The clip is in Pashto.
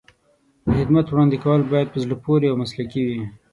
د خدمت وړاندې کول باید په زړه پورې او مسلکي وي.